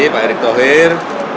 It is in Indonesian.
pak erik tohir